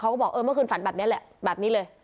เขาบอกเออเมื่อคืนฝันแบบนี้แหละแบบนี้เลย